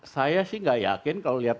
saya sih nggak yakin kalau lihat